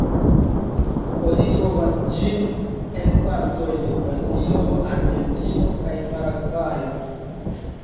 Oni trovas ĝin en partoj de Brazilo, Argentino kaj Paragvajo.